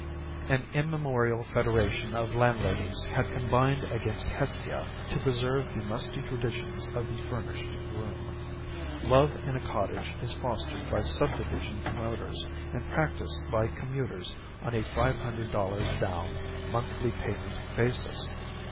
An immemorial federation of landladies has combined against Hestia to preserve the musty traditions of the furnished room. Love in a cottage is fostered by subdivision promoters and practised by commuters on a five hundred dollars down, monthly payment basis.